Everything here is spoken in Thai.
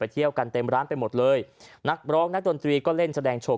เที่ยวกันเต็มร้านไปหมดเลยนักร้องนักดนตรีก็เล่นแสดงโชว